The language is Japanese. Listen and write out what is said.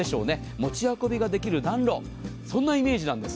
持ち運びができる暖炉そんなイメージなんです。